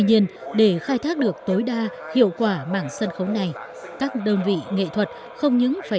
nhiên để khai thác được tối đa hiệu quả mảng sân khấu này các đơn vị nghệ thuật không những phải